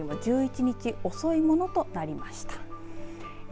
平年よりも１１日遅いものとなりました。